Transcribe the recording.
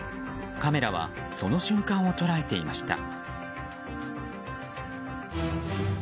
カメラはその瞬間を捉えていました。